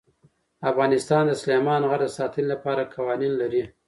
افغانستان د سلیمان غر د ساتنې لپاره قوانین لري.